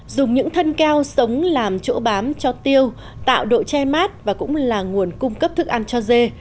dùng những thân keo sống làm chỗ bám cho tiêu tạo độ che mát và cũng là nguồn cung cấp thức ăn cho dê